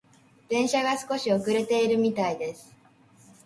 電車が少し遅れているみたいです。